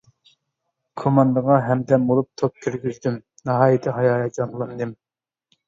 كوماندىغا ھەمدەم بولۇپ توپ كىرگۈزدۈم، ناھايىتى ھاياجانلاندىم.